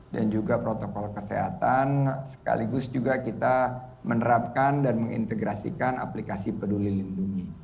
dan juga protokol kesehatan sekaligus juga kita menerapkan dan mengintegrasikan aplikasi peduli lindungi